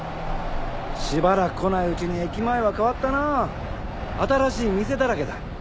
しばらく来ないうちに駅前は変わったなぁ新しい店だらけだ。